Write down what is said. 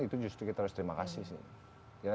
itu justru kita harus terima kasih sih